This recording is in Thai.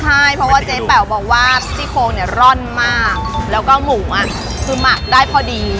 ใช่เพราะว่าเจ๊แป๋วบอกว่าซี่โครงเนี่ยร่อนมากแล้วก็หมูอ่ะคือหมักได้พอดี